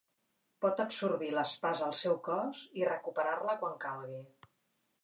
Pot absorbir l'espasa al seu cos i recuperar-la quan calgui.